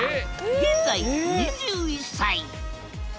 現在２１歳。